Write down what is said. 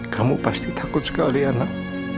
kamu pasti takut sekali ya nak